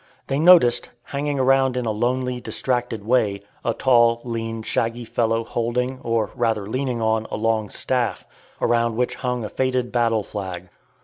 They noticed, hanging around in a lonely, distracted way, a tall, lean, shaggy fellow holding, or rather leaning on, a long staff, around which hung a faded battle flag.